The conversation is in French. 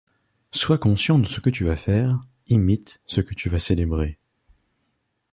Sois conscient de ce que tu vas faire, imite ce que tu vas célébrer.